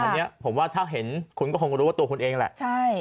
อันนี้ผมว่าถ้าเห็นคุณก็คงรู้ว่าตัวคุณเองแหละใช่